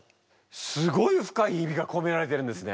すごい深い意味が込められてるんですね。